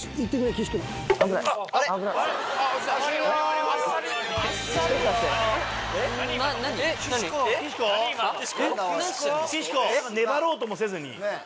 岸子粘ろうともせずに。